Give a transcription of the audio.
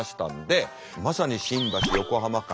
まさに新橋横浜間。